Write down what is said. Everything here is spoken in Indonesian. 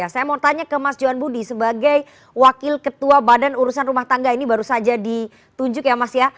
saya mau tanya ke mas johan budi sebagai wakil ketua badan urusan rumah tangga ini baru saja ditunjuk ya mas ya